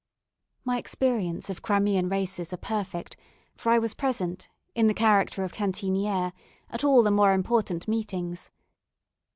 My experience of Crimean races are perfect, for I was present, in the character of cantiniere, at all the more important meetings.